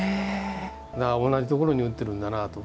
同じところに打ってるんだなと。